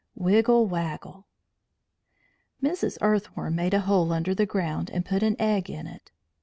WIGGLE WAGGLE Mrs. Earth worm made a hole under the ground and put an egg in it.